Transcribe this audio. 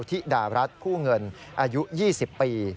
ธิดารัฐผู้เงินอายุ๒๐ปี